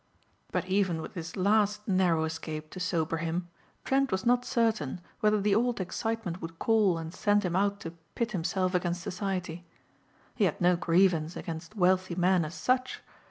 But even with this last narrow escape to sober him Trent was not certain whether the old excitement would call and send him out to pit himself against society. He had no grievance against wealthy men as such.